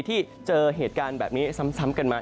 ที่เจอเหตุการณ์แบบนี้ซ้ำกันมา